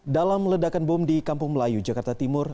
dalam ledakan bom di kampung melayu jakarta timur